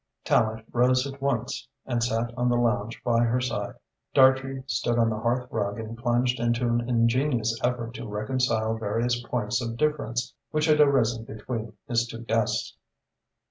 Tallente rose at once and sat on the lounge by her side. Dartrey stood on the hearth rug and plunged into an ingenious effort to reconcile various points of difference which had arisen between his two guests.